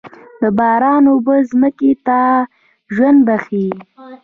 د باران اوبه ځمکې ته ژوند بښي.